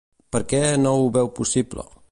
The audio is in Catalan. Per què no ho veu possible?